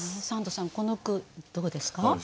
三度さんこの句どうですか？